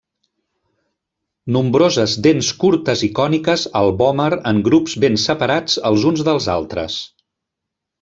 Nombroses dents curtes i còniques al vòmer en grups ben separats els uns dels altres.